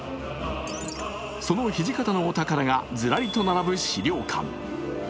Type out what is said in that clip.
その土方のお宝がずらりと並ぶ資料館。